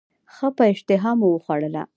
ښه په اشتهامو وخوړله.